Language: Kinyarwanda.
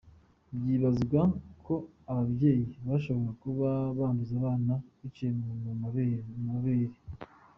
Vyibazwa ko abavyeyi bashobora kuba banduza abana biciye mu maberebere.